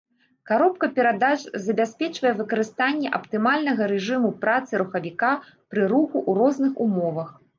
Каробка перадач забяспечвае выкарыстанне аптымальнага рэжыму працы рухавіка пры руху ў розных умовах.